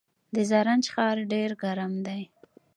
د زرنج ښار ډیر ګرم دی